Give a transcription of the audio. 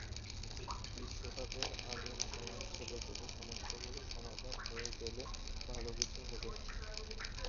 বিশ্বকাপের আগের সময়ে ছোট ছোট সমস্যাগুলো সমাধান হয়ে গেলে ভালো কিছু হবে।